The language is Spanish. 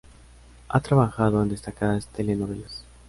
Ha trabajado en destacadas telenovelas.